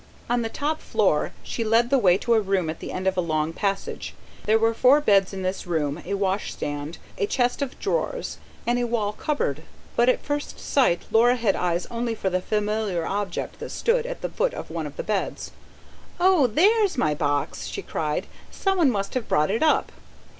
On the top floor she led the way to a room at the end of a long passage. There were four beds in this room, a washhand stand, a chest of drawers, and a wall cupboard. But at first sight Laura had eyes only for the familiar object that stood at the foot of one of the beds. "Oh, THERE'S my box!" she cried, "Someone must have brought it up."